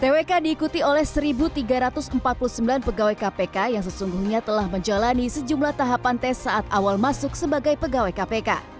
twk diikuti oleh satu tiga ratus empat puluh sembilan pegawai kpk yang sesungguhnya telah menjalani sejumlah tahapan tes saat awal masuk sebagai pegawai kpk